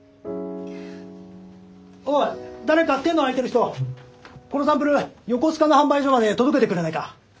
おい誰か手の空いてる人このサンプル横須賀の販売所まで届けてくれないか？